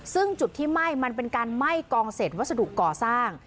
ซึ่งจุดที่ไหม้มันเป็นการไหม้กองเศษวัสดุก่อสร้าง